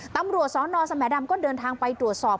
ตำรวจสนสมดำก็เดินทางไปตรวจสอบ